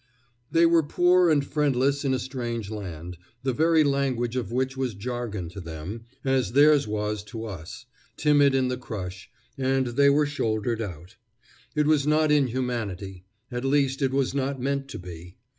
They were poor and friendless in a strange land, the very language of which was jargon to them, as theirs was to us, timid in the crush, and they were shouldered out. It was not inhumanity; at least, it was not meant to be.